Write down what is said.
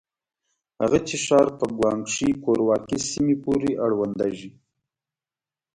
هه چه ښار په ګوانګ شي کورواکې سيمې پورې اړونديږي.